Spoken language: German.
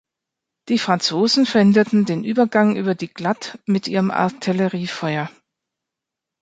Die Franzosen verhinderten den Übergang über die Glatt mit ihrem Artilleriefeuer.